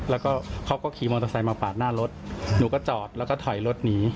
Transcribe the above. แล้วก็เขาก็ขี่มอเตอร์ไซค์มาปาดหน้ารถหนูก็จอดแล้วก็ถอยรถหนี